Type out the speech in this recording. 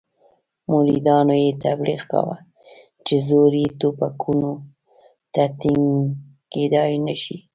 مریدانو یې تبلیغ کاوه چې زور یې ټوپکونو ته ټینګېدلای نه شي.